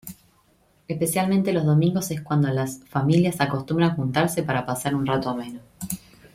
Especialmente los domingos es cuando las familias acostumbran juntarse para pasar un rato ameno.